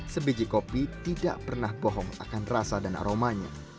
sebiji kopi tidak pernah bohong akan rasa dan aromanya